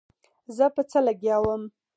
زه په څه لګيا وم.